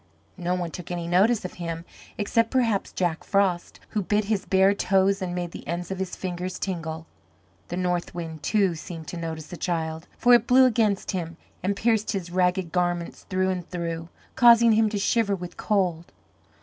No one took any notice of him except perhaps Jack Frost, who bit his bare toes and made the ends of his fingers tingle. The north wind, too, seemed to notice the child, for it blew against him and pierced his ragged garments through and through, causing him to shiver with cold.